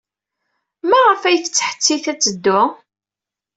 Maɣef ay tettḥettit ad teddu?